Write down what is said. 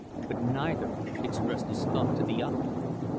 But neither expressed his thought to the other.